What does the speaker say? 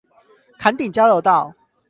崁頂交流道